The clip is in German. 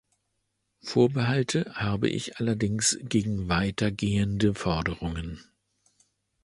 Vorbehalte habe ich allerdings gegen weiter gehende Forderungen.